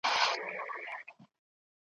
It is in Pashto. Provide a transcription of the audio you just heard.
هم دنیا هم یې عقبی دواړه بادار وي ,